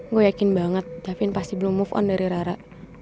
gue yakin banget d puluh moved on dari yara